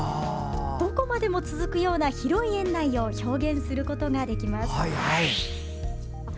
どこまでも続くような広い園内を表現することができます。